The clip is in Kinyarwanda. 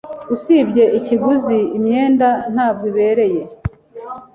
Usibye ikiguzi, imyenda ntabwo ibereye.